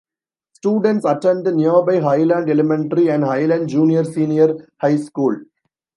Students attend the nearby Highland Elementary and Highland Junior-Senior High School.